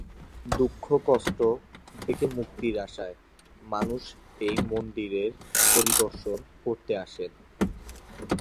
দুঃখ-কষ্ট থেকে মুক্তির আশায় মানুষ এই মন্দিরের পরিদর্শন করতে আসেন।